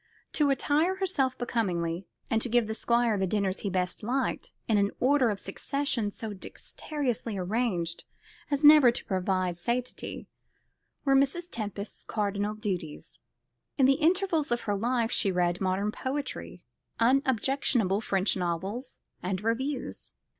To attire herself becomingly, and to give the Squire the dinners he best liked, in an order of succession so dexterously arranged as never to provoke satiety, were Mrs. Tempest's cardinal duties. In the intervals of her life she read modern poetry, unobjectionable French novels, and reviews.